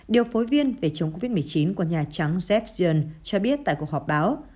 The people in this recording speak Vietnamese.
điều phối viên về chống covid một mươi chín của nhà trắng jaffion cho biết tại cuộc họp báo